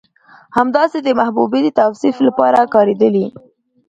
همداسې د محبوبې د توصيف لپاره کارېدلي